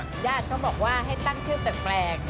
ญาติก็บอกว่าให้ตั้งชื่อแปลก